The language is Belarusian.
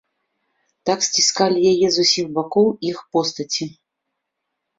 Так сціскалі яе з усіх бакоў іх постаці.